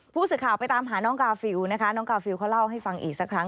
ผู้สื่อข่าวไปตามหาน้องกาฟิลนะคะน้องกาฟิลเขาเล่าให้ฟังอีกสักครั้ง